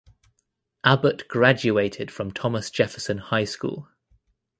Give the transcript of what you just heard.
Abbott graduated from Thomas Jefferson High School.